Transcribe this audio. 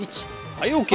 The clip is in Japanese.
はいＯＫ！